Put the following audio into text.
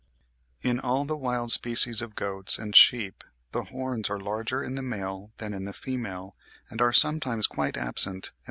In all the wild species of goats and sheep the horns are larger in the male than in the female, and are sometimes quite absent in the latter.